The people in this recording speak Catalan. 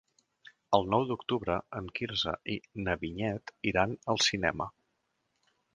El nou d'octubre en Quirze i na Vinyet iran al cinema.